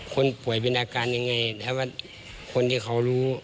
คนป่วยเป็นอาการยังไงแต่ว่าคนที่เขารู้